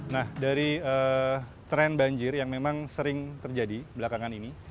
nah dari tren banjir yang memang sering terjadi belakangan ini